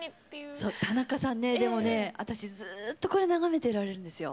そうタナカさんねでもね私ずっとこれ眺めていられるんですよ。